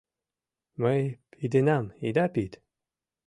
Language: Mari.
Мый пидынам, ида пид.